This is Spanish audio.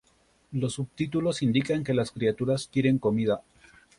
Los subtítulos indican que las criaturas quieren comida.